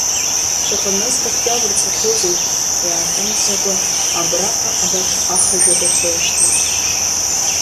Шаҟа нызқь октиабр цахьоузеи, иааҟәымҵӡакәа, абраҟа абарҭ ахажәак рҳәоижьҭеи!